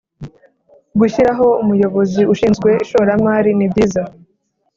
gushyiraho Umuyobozi Ushinzwe ishoramari nibyiza